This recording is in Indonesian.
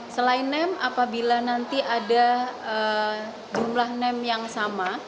selain name apabila nanti ada jumlah name yang sama